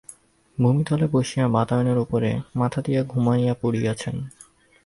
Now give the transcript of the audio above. ভূমিতলে বসিয়া, বাতায়নের উপরে মাথা দিয়া ঘুমাইয়া পড়িয়াছেন।